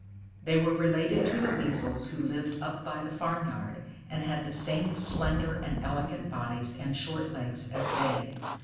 They were related to the Weasels who lived up by the farmyard, and had the same slender and elegant bodies and short legs as they.